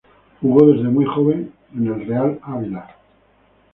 Jugó desde muy joven en el Real Ávila.